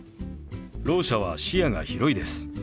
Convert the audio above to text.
ろう者は視野が広いです。